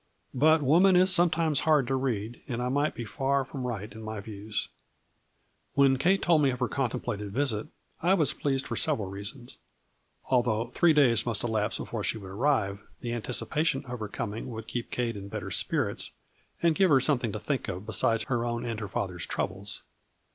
But woman is sometimes hard to read and I might be far from right in my views. When Kate told me of her contemplated visit, I was pleased for several reasons. Al though three days must elapse before she would arrive, the anticipation of her coming would keep Kate in better spirits and give her some thing to think of besides her own and her father's troubles.